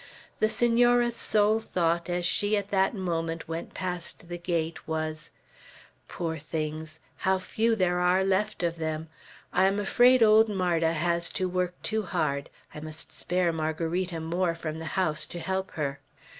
the Senora's sole thought, as she at that moment went past the gate, was, "Poor things! how few there are left of them! I am afraid old Marda has to work too hard. I must spare Margarita more from the house to help her."